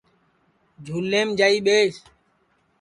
جھُولیم جائی ٻیس